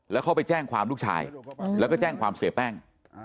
แล้วเขาไปแจ้งความลูกชายแล้วก็แจ้งความเสียแป้ง